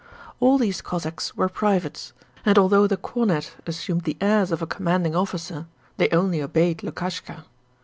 All these Cossacks were privates, and although the cornet assumed the airs of a commanding officer, they only obeyed Lukashka.